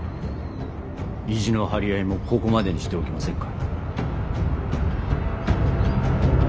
意地の張り合いもここまでにしておきませんか。